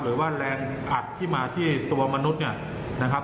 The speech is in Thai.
หรือว่าแรงอัดที่มาที่ตัวมนุษย์เนี่ยนะครับ